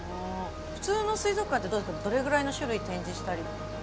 普通の水族館ってどれぐらいの種類展示したりしてるんですか？